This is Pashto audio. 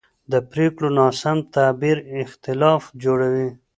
د پرېکړو ناسم تعبیر اختلاف جوړوي